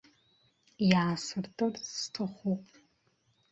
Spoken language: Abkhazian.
Иаасыртырц сҭахуп.